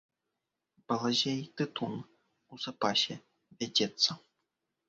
Балазе й тытун у запасе вядзецца.